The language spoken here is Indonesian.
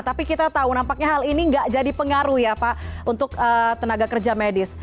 tapi kita tahu nampaknya hal ini nggak jadi pengaruh ya pak untuk tenaga kerja medis